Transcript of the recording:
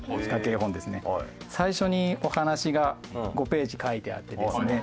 最初にお話が５ページ書いてあってですね